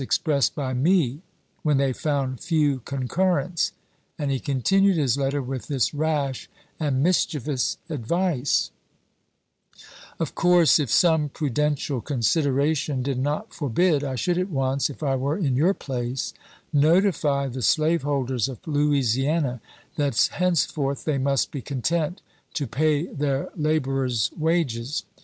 expressed by me when they found few concurrents "; and he continued his letter with this rash and mis chievous advice : Of course, if some prudential consideration did not forbid, I should at once, if I were in your place, notify the slaveholders of Louisiana that henceforth they must be content to pay their laborers wages.